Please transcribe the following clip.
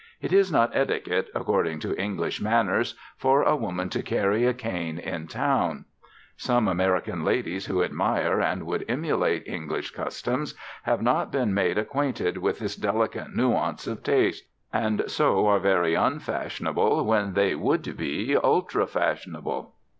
It is not etiquette, according to English manners, for a woman to carry a cane in town. Some American ladies who admire and would emulate English customs have not been made acquainted with this delicate nuance of taste, and so are very unfashionable when they would be ultra fashionable.